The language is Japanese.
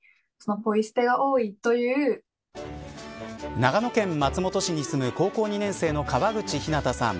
長野県松本市に住む高校２年生の川口陽葵さん。